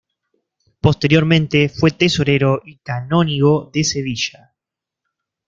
Posteriormente fue tesorero y canónigo de Sevilla.